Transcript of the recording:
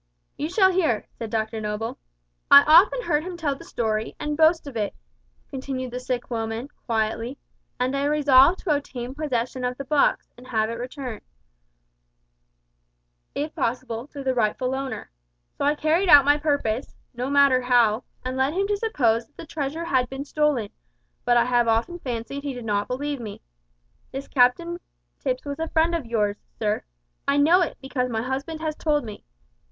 "You shall hear," said Dr Noble. "`I often heard him tell the story, and boast of it,' continued the sick woman, quietly, `and I resolved to obtain possession of the box, and have it returned, if possible, to the rightful owner. So I carried out my purpose no matter how and led him to suppose that the treasure had been stolen; but I have often fancied he did not believe me. This Captain Tipps was a friend of yours, sir. I know it, because my husband has told me.